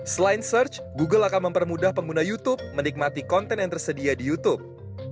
selain search google akan mempermudah pengguna youtube menikmati konten yang tersedia di youtube